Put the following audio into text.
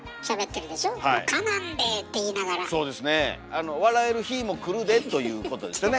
あの「笑える日も来るで」ということですよね。